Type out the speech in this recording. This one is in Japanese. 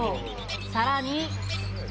さらに。